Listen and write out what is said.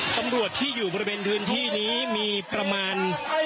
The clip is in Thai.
ตำรวจที่อยู่บริเวณพื้นที่นี้มีประมาณ